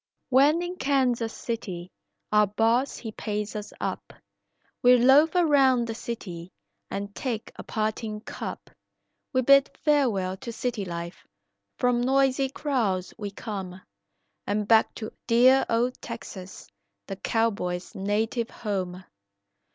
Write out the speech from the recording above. "When in Kansas City, our boss he pays us up, We loaf around the city and take a parting cup; We bid farewell to city life, from noisy crowds we come, And back to dear old Texas, the cowboy's native home."